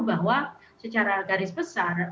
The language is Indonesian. bahwa secara garis besar